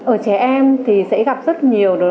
ở trẻ em thì sẽ gặp rất nhiều